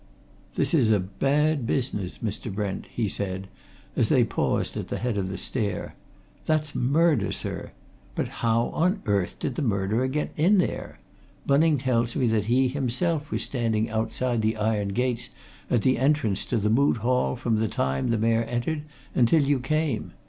"This is a bad business, Mr. Brent!" he said as they paused at the head of the stair. "That's murder, sir! But how on earth did the murderer get in there? Bunning tells me that he himself was standing outside the iron gates at the entrance to the Moot Hall from the time the Mayor entered until you came.